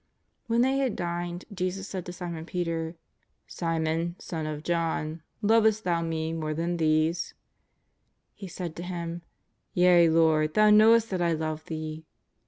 When they had dined Jesus said to Simon Peter :^' Simon, son of John, lovest thou Me more than these V He said to Him :" Yea, Lord, Thou knowest that I love Thee.''